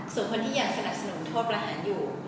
ส่วนคนที่ยังสนับสนุนโทษประหารอยู่